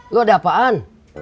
lo ada apaan